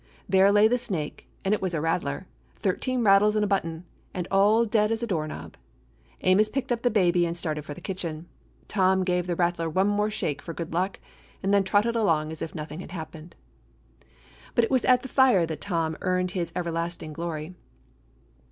There lay the snake; and it was a rattler — thirteen rattles and a button, and all dead as a door nail. Amos picked up the baby and started for the kitchen; Tom gave the rattler one more shake for good luck, and then trotted along as if nothing had hap pened. But it was at the fire that Tom earned his 247 DOG HEROES OF MANY LANDS everlasting glory.